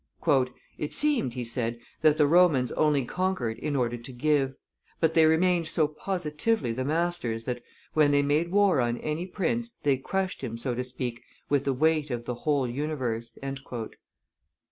"It seemed," he says, "that the Romans only conquered in order to give; but they remained so positively the masters that, when they made war on any prince, they crushed him, so to speak, with the weight of the whole universe."